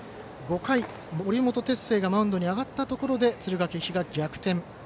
５回に森本哲星がマウンドにあがったところで敦賀気比、逆転。